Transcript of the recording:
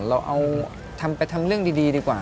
เราเอาทำไปทำเรื่องดีดีกว่า